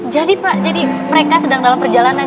jadi pak jadi mereka sedang dalam perjalanan